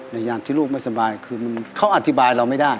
ยามที่ลูกไม่สบายคือเขาอธิบายเราไม่ได้